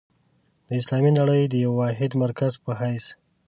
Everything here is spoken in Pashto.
د اسلامي نړۍ د یوه واحد مرکز په حیث.